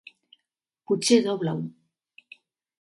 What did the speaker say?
Potser dobla-ho.